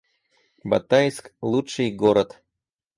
Батайск — лучший город